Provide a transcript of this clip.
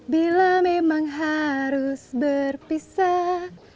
bila memang harus berpisah